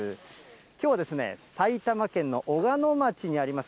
きょうは、埼玉県の小鹿野町にあります